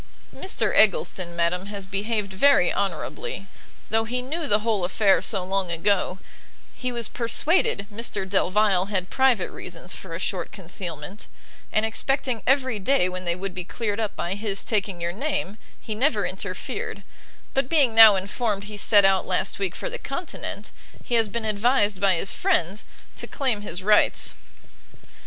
"Mr Eggleston, madam, has behaved very honourably; though he knew the whole affair so long ago, he was persuaded Mr Delvile had private reasons for a short concealment; and expecting every day when they would be cleared up by his taking your name, he never interfered: but being now informed he set out last week for the continent, he has been advised by his friends to claim his rights."